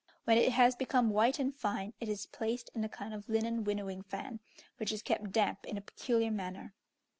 When it has become white and fine, it is placed in a kind of linen winnowing fan, which is kept damp in a peculiar manner.